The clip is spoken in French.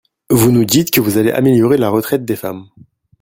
Vous nous dites que vous allez améliorer la retraite des femmes.